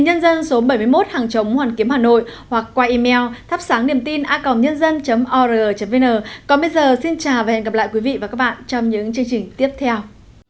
hẹn gặp lại quý vị và các bạn trong những chương trình tiếp theo